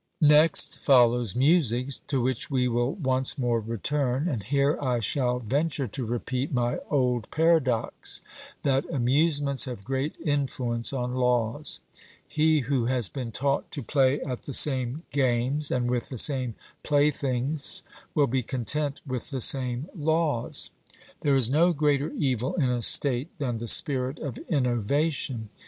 Next follows music, to which we will once more return; and here I shall venture to repeat my old paradox, that amusements have great influence on laws. He who has been taught to play at the same games and with the same playthings will be content with the same laws. There is no greater evil in a state than the spirit of innovation.